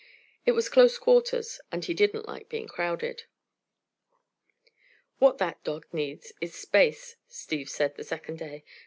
It was close quarters, and he didn't like being crowded. "What that dog needs is space," Steve said the second day.